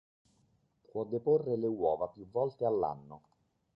Può deporre le uova più volte all'anno.